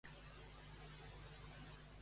En una estona aquest reialme serà meu.